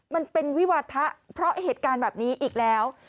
มันเป็นวิวาทะเพราะเหตุการณ์แบบนี้อีกแล้ว